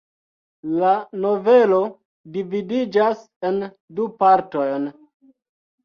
La novelo dividiĝas en du partojn.